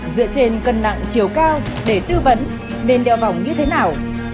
dựa trên cân nặng chiều cao để tư vấn nên đeo vòng như thế nào